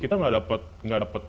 kita gak dapat gak dapat